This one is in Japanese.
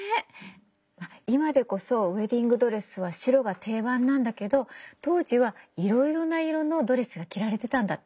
あっ今でこそウェディングドレスは白が定番なんだけど当時はいろいろな色のドレスが着られてたんだって。